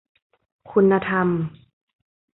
คุณธรรม